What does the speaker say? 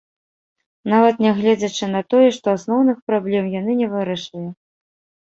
Нават нягледзячы на тое, што асноўных праблем яны не вырашылі.